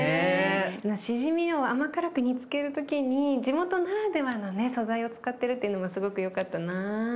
しじみを甘辛く煮つける時に地元ならではのね素材を使ってるっていうのもすごくよかったな。